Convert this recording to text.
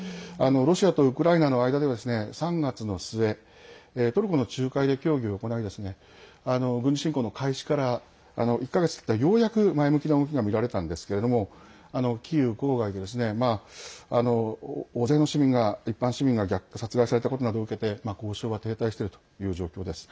ロシアとウクライナの間では３月の末トルコの仲介で、協議を行い軍事侵攻の開始から１か月たってようやく前向きな動きがみられたんですけれどもキーウ郊外で大勢の市民が、一般市民が殺害されたことなどを受けて交渉が停滞しているという状況です。